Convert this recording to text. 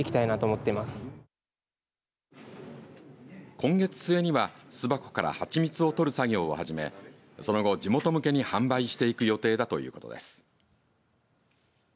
今月末には巣箱から蜂蜜を取る作業を始めその後、地元向けに販売していく予定だということです。